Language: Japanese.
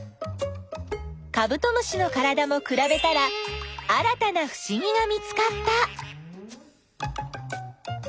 カブトムシのからだもくらべたら新たなふしぎが見つかった。